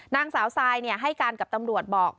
นางสาวซายให้การกับตำรวจบอก